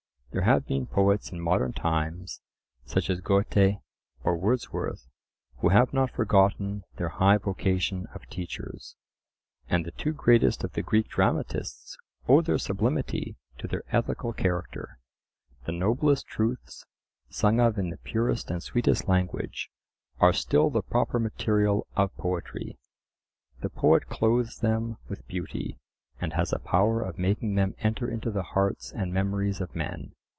There have been poets in modern times, such as Goethe or Wordsworth, who have not forgotten their high vocation of teachers; and the two greatest of the Greek dramatists owe their sublimity to their ethical character. The noblest truths, sung of in the purest and sweetest language, are still the proper material of poetry. The poet clothes them with beauty, and has a power of making them enter into the hearts and memories of men.